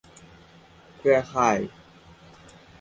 เครือข่าย